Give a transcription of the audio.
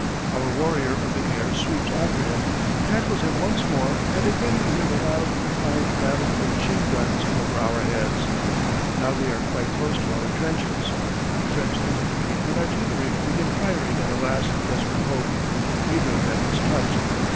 Our warrior of the air swoops after him, tackles him once more and again we hear the wild defiant rattle of the machine guns over our heads. Now they are quite close to our trenches. The French infantry and artillery begin firing in a last desperate hope. Neither of them is touched.